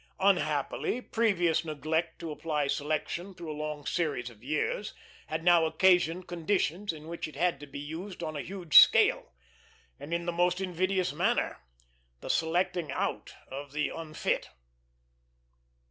Unhappily, previous neglect to apply selection through a long series of years had now occasioned conditions in which it had to be used on a huge scale, and in the most invidious manner the selecting out of the unfit.